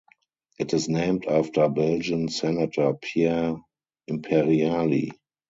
It is named after Belgian senator Pierre Imperiali.